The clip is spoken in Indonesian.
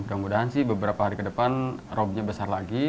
mudah mudahan sih beberapa hari ke depan robnya besar lagi